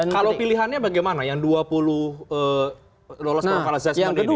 kalau pilihannya bagaimana yang dua puluh lolos perumahan kandasnya